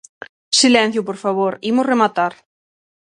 Silencio, por favor, imos rematar.